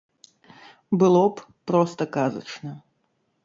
Было б проста казачна.